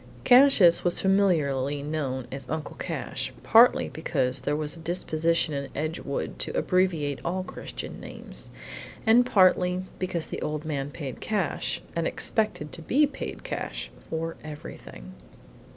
Cassius was familiarly known as Uncle Cash, partly because there was a disposition in Edgewood to abbreviate all Christian names, and partly because the old man paid cash, and expected to be paid cash, for everything.